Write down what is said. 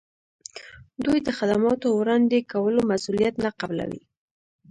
دوی د خدماتو وړاندې کولو مسولیت نه قبلوي.